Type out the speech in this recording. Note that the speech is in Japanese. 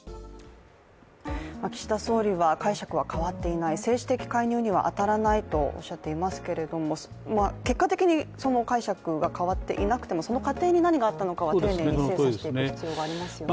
岸田総理は解釈は変わっていない政治的介入には当たらないとおっしゃっていますけれども結果的に、その解釈が変わっていなくても、その過程に何があったのか丁寧に精査していく必要がありますね。